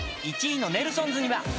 ［１位のネルソンズには］